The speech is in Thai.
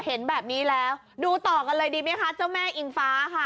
เห็นแบบนี้แล้วดูต่อกันเลยดีไหมคะเจ้าแม่อิงฟ้าค่ะ